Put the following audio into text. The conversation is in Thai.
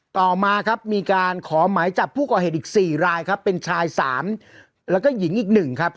ต่อมาครับมีการขอหมายจับผู้ก่อเหตุอีก๔รายครับเป็นชาย๓แล้วก็หญิงอีก๑ครับ